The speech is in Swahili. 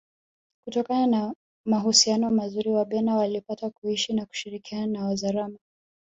kutokana na mahusiano mazuri Wabena walipata kuishi na kushirikiana na Wazaramo